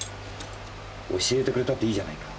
教えてくれたっていいじゃないか。